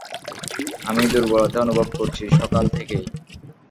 আমি দুর্বলতা অনুভব করছি, সকাল থেকেই।